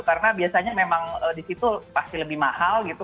karena biasanya memang di situ pasti lebih mahal gitu